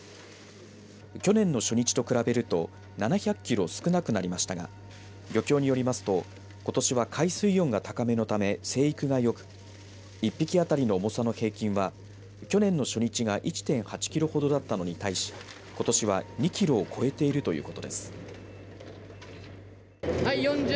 去年の初日と比べると７００キロ少なくなりましたが漁協によりますとことしは海水温が高めのため生育がよく１匹当たりの重さの平均は去年の初日が１．８キロほどだったのに対しことしは２キロを超えているということです。